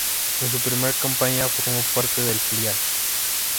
En su primera campaña formó parte del filial.